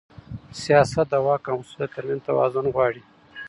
سیاست د واک او مسؤلیت ترمنځ توازن غواړي